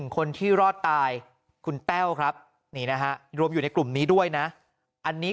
คนที่รอดตายคุณแต้วครับนี่นะฮะรวมอยู่ในกลุ่มนี้ด้วยนะอันนี้